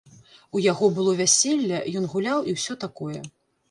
У яго было вяселле, ён гуляў і ўсё такое.